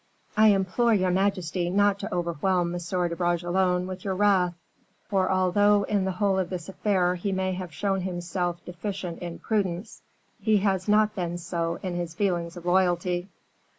"I implore your majesty not to overwhelm M. de Bragelonne with your wrath, for although in the whole of this affair he may have shown himself deficient in prudence, he has not been so in his feelings of loyalty."